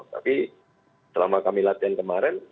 tapi selama kami latihan kemarin